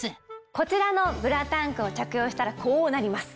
こちらのブラタンクを着用したらこうなります。